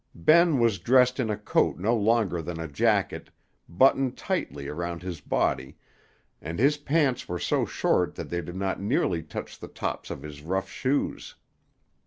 Ben was dressed in a coat no longer than a jacket, buttoned tightly around his body, and his pants were so short that they did not nearly touch the tops of his rough shoes.